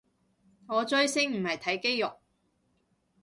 我追星唔係睇肌肉